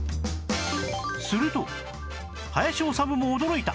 すると林修も驚いた！